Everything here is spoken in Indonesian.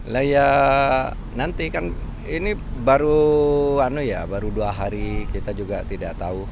lah ya nanti kan ini baru ya baru dua hari kita juga tidak tahu